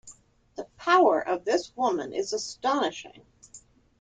The power of this woman is astonishing.